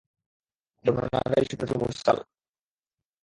বর্ণনার এই সূত্রটি মুরসাল।